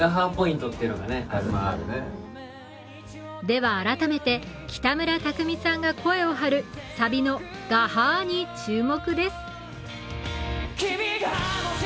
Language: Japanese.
では改めて北村匠海さんが声を張るサビの「がはー」に注目です。